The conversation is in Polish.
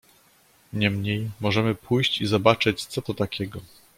"Niemniej, możemy pójść i zobaczyć co to takiego."